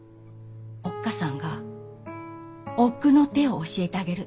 おっ母さんが奥の手を教えてあげる。